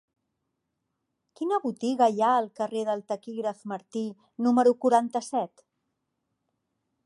Quina botiga hi ha al carrer del Taquígraf Martí número quaranta-set?